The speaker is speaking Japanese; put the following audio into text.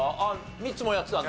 ミッツもやってたんだ。